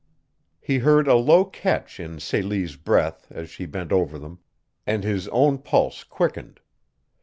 He heard a low catch in Celie's breath as he bent over them, and his own pulse quickened.